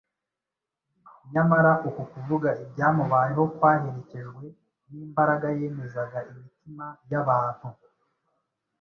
nyamara uku kuvuga ibyamubayeho kwaherekejwe n’imbagara yemezaga imitima y’abantu